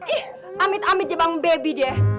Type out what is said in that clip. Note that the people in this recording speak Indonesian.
ih amit amit aja bang bebi deh